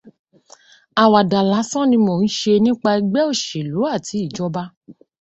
Àwàdà lásán tí mo ń ṣe nípa ẹgbẹ́ òṣèlú àti ìjọba.